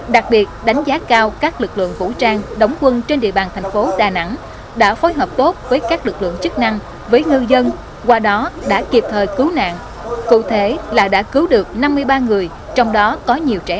đặc biệt đánh giá cao các lực lượng vũ trang đóng quân trên địa bàn thành phố đà nẵng đã phối hợp tốt với các lực lượng chức năng với ngư dân qua đó đã kịp thời cứu nạn cụ thể là đã cứu được năm mươi ba người trong đó có nhiều trẻ